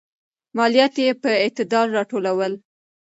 ماليات يې په اعتدال راټولول.